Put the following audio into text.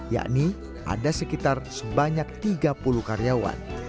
yakni ada sekitar sebanyak tiga puluh karyawan